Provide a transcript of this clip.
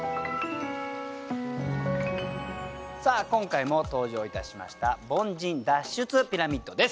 今回も登場いたしました凡人脱出ピラミッドです。